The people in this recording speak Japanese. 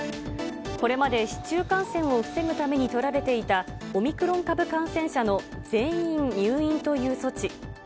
これまで市中感染を防ぐために取られていたオミクロン株感染者の全員入院という措置。